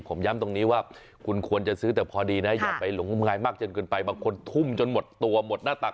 ผมย้ำตรงนี้ว่าคุณควรจะซื้อแต่พอดีนะอย่าไปหลงงมงายมากจนเกินไปบางคนทุ่มจนหมดตัวหมดหน้าตัก